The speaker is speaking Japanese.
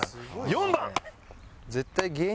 ４番。